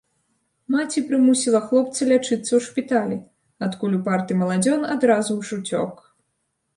Маці прымусіла хлопца лячыцца ў шпіталі, адкуль упарты маладзён адразу ж уцёк.